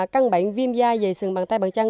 căn bệnh viêm da dày sừng bằng tay bằng chân